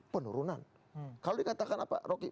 penurunan kalau dikatakan apa rocky